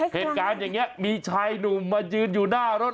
เหตุการณ์อย่างนี้มีชายหนุ่มมายืนอยู่หน้ารถ